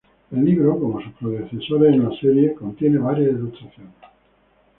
El libro, como sus predecesores en la serie, contiene varias ilustraciones.